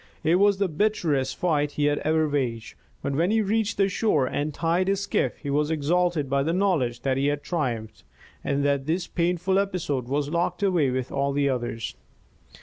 It was the bitterest fight he had ever waged; but when he reached the shore and tied his skiff, he was exalted by the knowledge that he had triumphed, that this painful episode was locked away with all the others.